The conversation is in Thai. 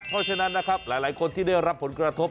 เพราะฉะนั้นนะครับหลายคนที่ได้รับผลกระทบ